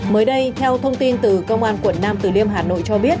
mới đây theo thông tin từ công an quận nam từ liêm hà nội cho biết